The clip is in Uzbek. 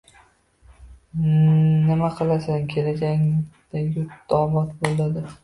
Nima qilsa — kelajakda yurt obod bo‘ladi?